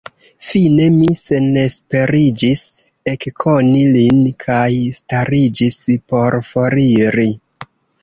Fine mi senesperiĝis ekkoni lin, kaj stariĝis por foriri.